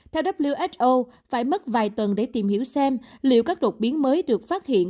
theo who phải mất vài tuần để tìm hiểu xem liệu các đột biến mới được phát hiện